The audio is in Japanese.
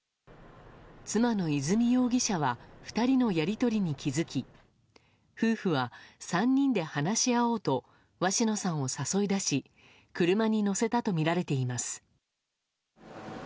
妻の和美容疑者は２人のやり取りに気づき夫婦は３人で話し合おうと鷲野さんを誘い出し車に乗せたとみられています。